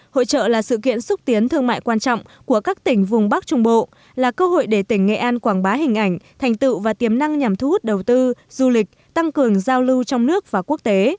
hội trợ là sự kiện xúc tiến thương mại quan trọng của các tỉnh vùng bắc trung bộ là cơ hội để tỉnh nghệ an quảng bá hình ảnh thành tựu và tiềm năng nhằm thu hút đầu tư du lịch tăng cường giao lưu trong nước và quốc tế